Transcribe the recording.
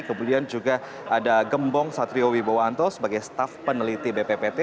kemudian juga ada gembong satrio wibowanto sebagai staff peneliti bppt